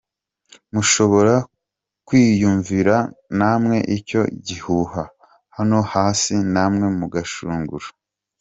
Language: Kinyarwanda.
Mushobora kwiyumvira namwe icyo gihuha hano hasi namwe mugashungura: